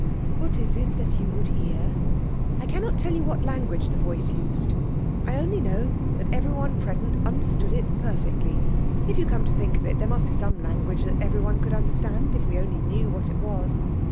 What is it that you would hear?" I cannot tell you what language the voice used. I only know that everyone present understood it perfectly. If you come to think of it, there must be some language that everyone could understand, if we only knew what it was.